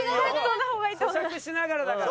咀嚼しながらだから。